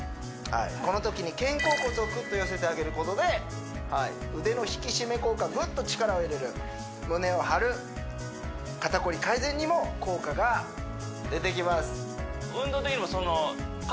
このときに肩甲骨をクッと寄せてあげることで腕の引き締め効果グッと力を入れる胸を張る肩こり改善にも効果が出てきます